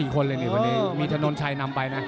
คนเลยนี่วันนี้มีถนนชัยนำไปนะ